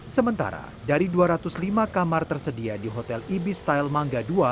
sementara dari dua ratus lima kamar tersedia di hotel ibi style mangga ii